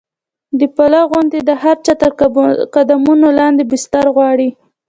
د پله غوندې د هر چا تر قدمونو لاندې بستر غواړي.